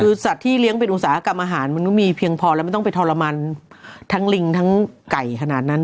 คือสัตว์ที่เลี้ยงเป็นอุตสาหกรรมอาหารมันก็มีเพียงพอแล้วไม่ต้องไปทรมานทั้งลิงทั้งไก่ขนาดนั้น